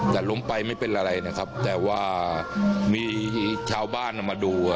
แต่ล้มไปไม่เป็นอะไรนะครับแต่ว่ามีชาวบ้านมาดู